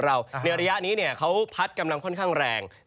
ในระยะนี้เขาพัดกำลังค่อนข้างแรง